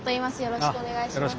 よろしくお願いします。